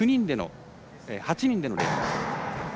８人でのレースです。